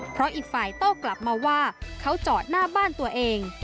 เพราะอีกฝ่ายโต้กลับมาว่าเขาจอดหน้าบ้านตัวเอง